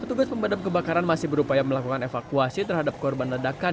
petugas pemadam kebakaran masih berupaya melakukan evakuasi terhadap korban ledakan